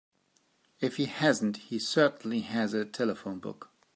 If he hasn't he certainly has a telephone book.